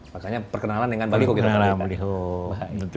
makanya perkenalan dengan baliho kita